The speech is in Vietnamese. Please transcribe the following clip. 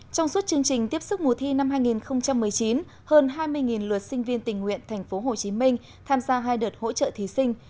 trong suốt chương trình tiếp sức mùa thi năm hai nghìn một mươi chín hơn hai mươi lượt sinh viên tình nguyện tp hcm tham gia hai đợt hỗ trợ thí sinh